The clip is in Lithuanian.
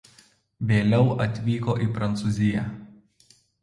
Vėliau atvyko į Prancūziją.